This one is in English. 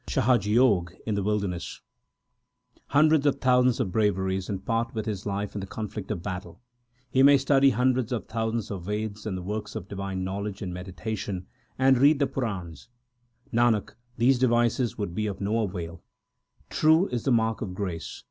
ASA KI WAR 229 Hundreds of thousands of braveries, and part with his life in the conflict of battle ; He may study hundreds of thousands of Veds and works of divine knowledge and meditation, and read the Purans Nanak, these devices would be of no avail ; true is the mark of grace.